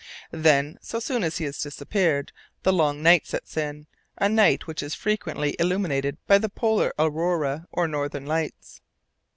Then, so soon as he has disappeared, the long night sets in, a night which is frequently illumined by the polar aurora or Northern Lights.